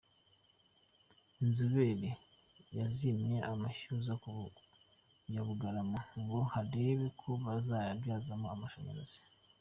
Inzobere zapimye Amashyuza ya Bugarama ngo barebe ko yazabyazwamo amashanyarazi